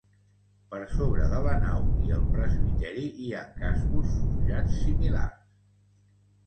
Per sobre de la nau i el presbiteri hi han cascos forjats similars.